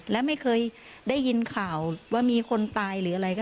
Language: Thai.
และไม่เคยได้ยินข่าวว่ามีคนตายหรืออะไร